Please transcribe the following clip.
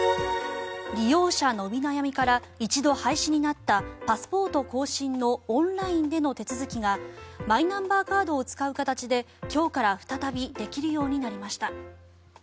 利用者伸び悩みから一度廃止になったパスポート更新のオンラインでの手続きがマイナンバーカードを使う形で今日から再びできるようになりました。